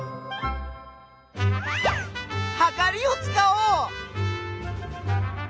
はかりをつかおう！